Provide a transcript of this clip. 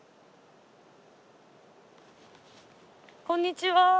こんにちは。